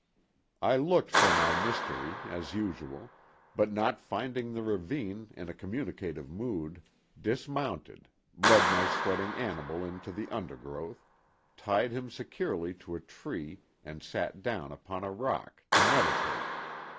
I looked for my mystery, as usual, but not finding the ravine in a communicative mood, dismounted, led my sweating animal into the undergrowth, tied him securely to a tree and sat down upon a rock to meditate.